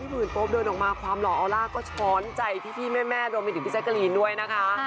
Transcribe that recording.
หมื่นโป๊บเดินออกมาความหล่อออลล่าก็ช้อนใจพี่แม่รวมไปถึงพี่แจ๊กกะลีนด้วยนะคะ